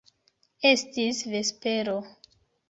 Estis vespero.